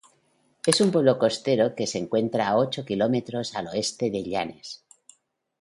Es un pueblo costero que se encuentra a ocho kilómetros al oeste de Llanes.